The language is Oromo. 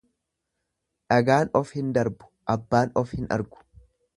Dhagaan of hin darbu abbaan of hin argu.